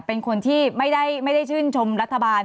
เป็นคนที่ไม่ได้ชื่นชมรัฐบาล